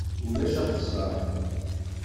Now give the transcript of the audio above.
Ulac aqeṣṣeṛ.